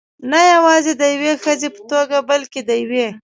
نه یوازې د یوې ښځې په توګه، بلکې د یوې .